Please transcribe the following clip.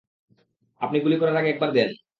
আপনি গুলি করার আগে একবার দেন।